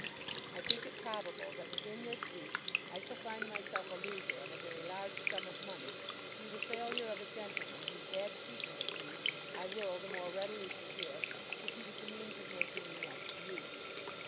I think it probable that within this week I shall find myself a loser of a very large sum of money through the failure of a gentleman whose bad treatment of me I will the more readily forgive because he was the means of making me known to you.